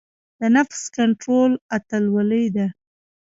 د نفس کنټرول اتلولۍ ده.